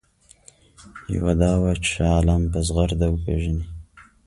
یوه دا وه چې شاه عالم په زغرده وپېژني.